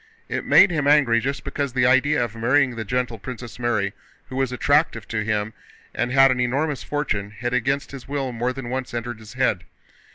It made him angry just because the idea of marrying the gentle Princess Mary, who was attractive to him and had an enormous fortune, had against his will more than once entered his head.